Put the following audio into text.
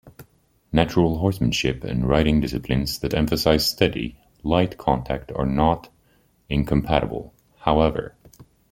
Natural horsemanship and riding disciplines that emphasize steady, light contact are not incompatible, however.